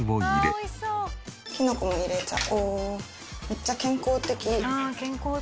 めっちゃ健康的。